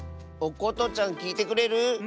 おことちゃんきいてくれる？